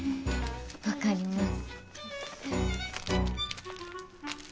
分かります。